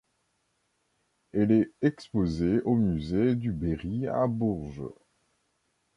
Elle est exposée au musée du Berry à Bourges.